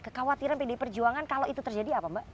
kekhawatiran pdi perjuangan kalau itu terjadi apa mbak